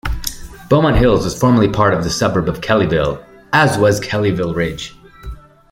Beaumont Hills was formerly part of the suburb of Kellyville, as was Kellyville Ridge.